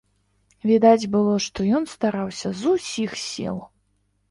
Відаць было, што ён стараўся з усіх сіл.